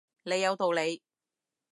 你有道理